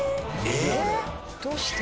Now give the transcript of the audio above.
どうして？